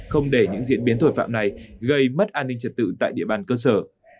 không để những diễn biến tội phạm này gây mất an ninh trật tự tại địa bàn cơ sở